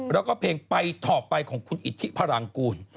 แล้วก็เพลงไปต่อไปของคุณอิทธิพลังกูล